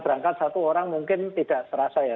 berangkat satu orang mungkin tidak terasa ya